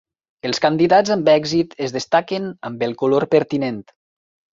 Els candidats amb èxit es destaquen amb el color pertinent.